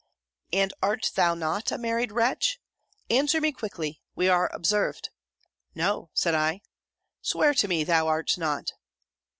"'And art thou not a married wretch? Answer me quickly! We are observed.' 'No,' said I. 'Swear to me, thou art not.'